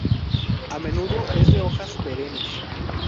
A menudo es de hojas perennes.